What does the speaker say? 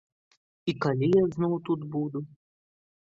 І калі я зноў тут буду?